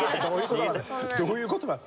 どういう事なの？